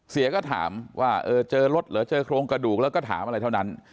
เสียก็ถามว่าเจอรถเหรอเจอโครงกระดูกแล้วก็ถามอะไรเท่านั้น